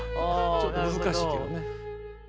ちょっと難しいけどね。